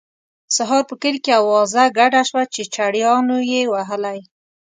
سهار په کلي کې اوازه ګډه شوه چې چړیانو یې وهلی.